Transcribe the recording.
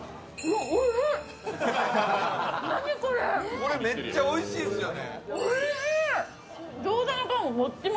これ、めっちゃおいしいっすよね。